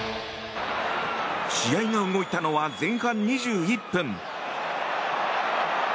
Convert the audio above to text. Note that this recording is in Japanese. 試合が動いたのは前半２１分。